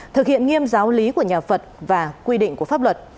thực hiện nghiêm giáo lý của nhà phật và quy định của pháp luật